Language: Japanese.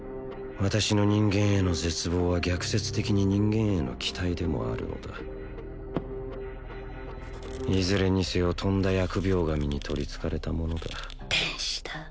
私の人間への絶望は逆説的に人間への期待でもあるのだいずれにせよとんだ疫病神にとりつかれたものだ天使だ